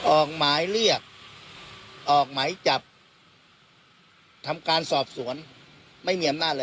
ออกหมายเรียกออกหมายจับทำการสอบสวนไม่เหนียมหน้าเลยครับ